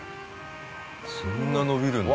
そんな伸びるんだ。